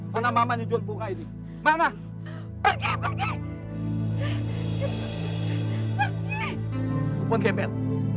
kenapa aja bunga saya diambil